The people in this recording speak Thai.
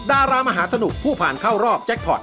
ดารามหาสนุกผู้ผ่านเข้ารอบแจ็คพอร์ต